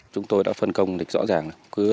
chúng tôi đã phân công địch rõ ràng